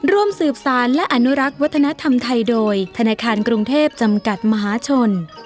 ร่วมสืบสารและอนุรักษ์วัฒนธรรมไทยโดยธนาคารกรุงเทพจำกัดมหาชน